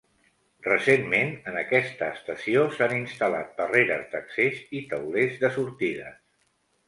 Recentment, en aquesta estació s'han instal·lat barreres d'accés i taulers de sortides.